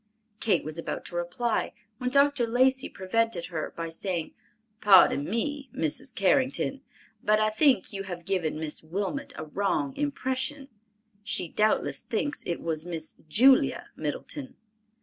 Kate was about to reply, when Dr. Lacey prevented her by saying, "Pardon me, Mrs. Carrington; but I think you have given Miss Wilmot a wrong impression. She doubtless thinks it was Miss Julia Middleton."